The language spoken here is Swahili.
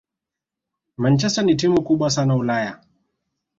Manchester ni timu kubwa sana Ulaya